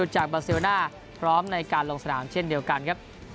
จากบาเซลน่าพร้อมในการลงสนามเช่นเดียวกันครับ